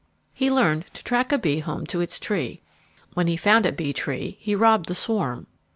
He learned to track a bee home to its tree. When he found a bee tree he robbed the swarm.